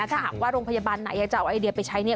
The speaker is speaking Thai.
ถ้าหากว่าโรงพยาบาลไหนอยากจะเอาไอเดียไปใช้